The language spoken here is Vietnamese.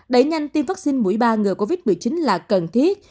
đẩy nhanh tiêm vaccine mũi ba ngừa covid một mươi chín là cần thiết